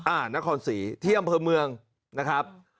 อ่านครศรีเที่ยมเผลอเมืองนะครับ